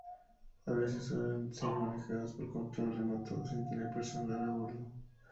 A veces suelen ser manejadas por control remoto, sin tener personal a bordo.